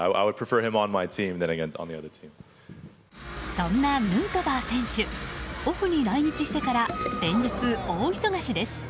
そんなヌートバー選手オフに来日してから連日、大忙しです。